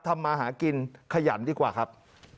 ทำมาหากินขยันดีกว่าครับ